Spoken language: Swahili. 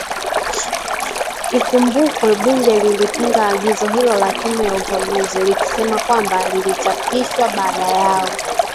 Ikumbukwe bunge lilipinga agizo hilo la tume ya uchaguzi likisema kwamba lilichapishwa baada yao